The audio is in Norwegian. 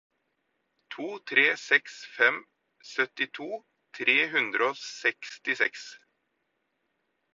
to tre seks fem syttito tre hundre og sekstiseks